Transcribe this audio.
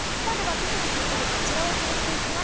今朝の『スッキリ』、こちらをお送りしていきます。